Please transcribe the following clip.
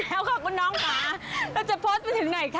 แล้วค่ะคุณน้องค่ะแล้วจะโพสต์ไปถึงไหนคะ